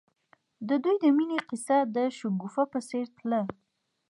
د دوی د مینې کیسه د شګوفه په څېر تلله.